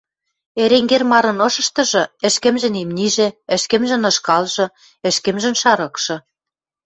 Эренгер марын ышыштыжы — ӹшкӹмжӹн имнижӹ, ӹшкӹмжӹн ышкалжы, ӹшкӹмжӹн шарыкшы...